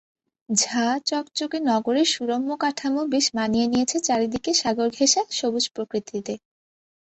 ঝাঁ-চকচকে নগরের সুরম্য কাঠামো বেশ মানিয়ে নিয়েছে চারদিকে সাগরঘেঁষা সবুজ প্রকৃতিতে।